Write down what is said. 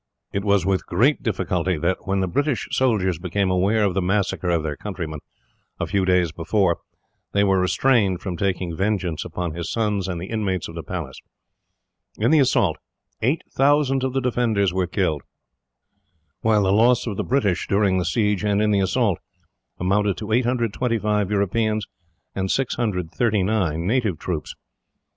It was with great difficulty that, when the British soldiers became aware of the massacre of their countrymen, a few days before, they were restrained from taking vengeance upon his sons and the inmates of the Palace. In the assault, 8000 of the defenders were killed; while the loss of the British, during the siege and in the assault, amounted to 825 Europeans and 639 native troops.